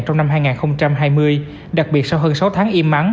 trong năm hai nghìn hai mươi đặc biệt sau hơn sáu tháng im ắng